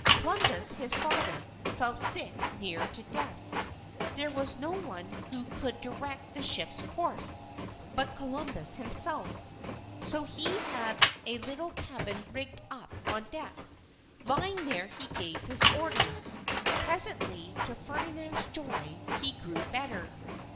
Columbus, his father, fell sick near to death. There was no one who could direct the ships' course, but Columbus himself. So he had a little cabin rigged up on deck. Lying there, he gave his orders. Presently, to Ferdinand's joy, he grew better.